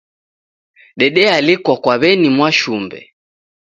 Dedealikwa kwa w'eni Mwashumbe.